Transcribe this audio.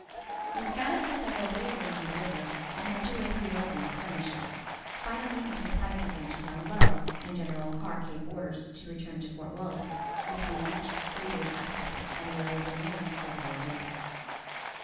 We scouted for several days along the river, and had two or three lively skirmishes. Finally our supplies began to run low, and General Carr gave orders to return to Fort Wallace, which we reached three days afterward, and where we remained several days.